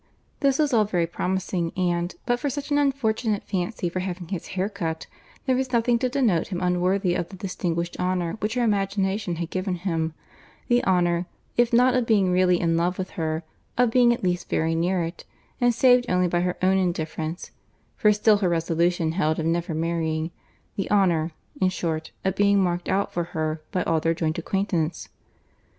This was all very promising; and, but for such an unfortunate fancy for having his hair cut, there was nothing to denote him unworthy of the distinguished honour which her imagination had given him; the honour, if not of being really in love with her, of being at least very near it, and saved only by her own indifference—(for still her resolution held of never marrying)—the honour, in short, of being marked out for her by all their joint acquaintance.